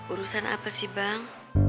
urusan apa sih bang